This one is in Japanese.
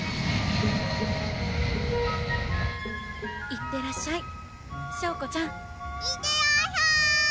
いってらっしゃい翔子ちゃんいってらっしゃい！